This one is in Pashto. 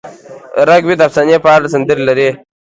رګ وید د افسانې په اړه سندرې لري.